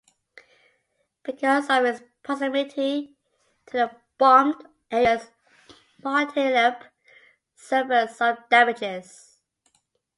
Because of its proximity to the bombed areas Martintelep suffered some damages.